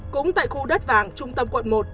cũng tại khu đất vàng trung tâm quận một